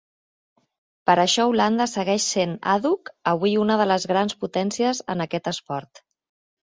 Per això Holanda segueix sent àdhuc avui una de les grans potències en aquest esport.